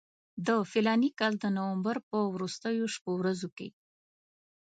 د فلاني کال د نومبر په وروستیو شپو ورځو کې.